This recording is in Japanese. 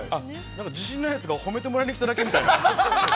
自信ないやつが褒めに来てもらっただけみたいな。